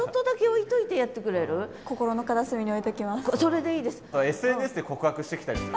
それでいいです。